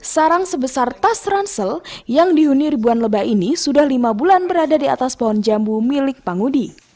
sarang sebesar tas ransel yang dihuni ribuan lebah ini sudah lima bulan berada di atas pohon jambu milik pangudi